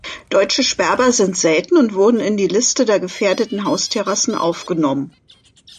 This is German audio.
Deutsche Sperber sind selten und wurden in die Liste der gefährdeten Haustierrassen aufgenommen.